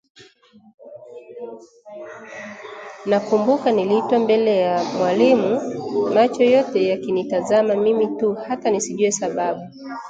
Nakumbuka niliitwa mbele ya walimu macho yote yakinitazama mimi tu, hata nisijue sababu